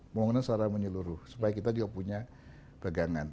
pembangunan secara menyeluruh supaya kita juga punya pegangan